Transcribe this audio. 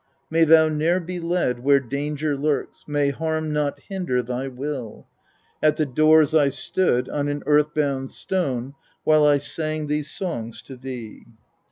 15. May thou ne'er be led, where danger lurks, may harm not hinder thy will !At the doors I stood, on an earth bound stone, while I sang these sonj^s to thee.